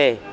để có thể